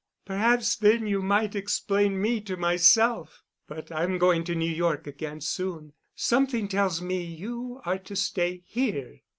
Perhaps then you might explain me to myself. But I'm going to New York again soon—something tells me you are to stay here."